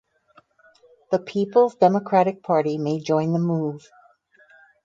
The People's Democratic party may join the move.